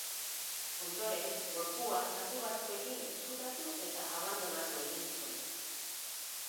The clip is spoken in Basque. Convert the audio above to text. Ondoren, gorpua zaku batzuekin ezkutatu eta abandonatu egin zuen.